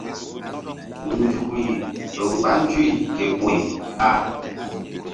Nzukri ƴo mgba nzuy ke ɓoy ɓa.